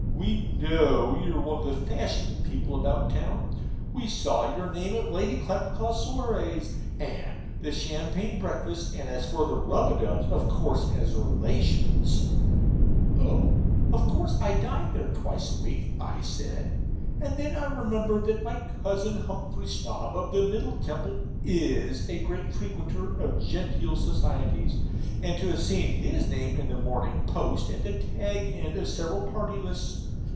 We KNOW you're one of the fashionable people about town: we saw your name at Lady Clapperclaw's SOIREES, and the Champignon breakfasts; and as for the Rubadubs, of course, as relations ' 'Oh, of course, I dine there twice a week,' I said; and then I remembered that my cousin, Humphry Snob, of the Middle Temple, IS a great frequenter of genteel societies, and to have seen his name in the MORNING POST at the tag end of several party lists.